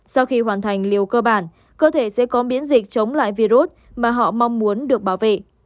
sau khi hoàn thành liều cơ bản cơ thể sẽ có miễn dịch chống lại virus mà họ mong muốn được bảo vệ